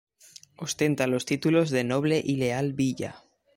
Ostenta los títulos de noble y leal villa.